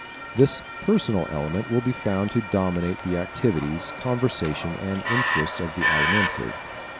This personal element will be found to dominate the activities, conversation and interests of the Alimentive.